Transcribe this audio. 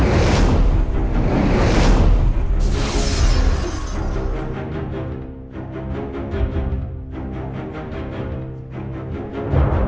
tidak mengurutikh anti agresif